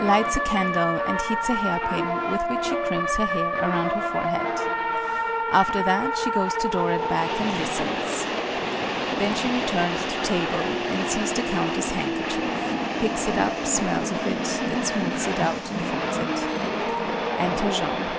Lights a candle and heats a hair pin with which she crimps her hair around her forehead. After that she goes to door at back and listens. Then she returns to table and sees the Countess' handkerchief, picks it up, smells of it, then smooths it out and folds it. Enter Jean.] JEAN.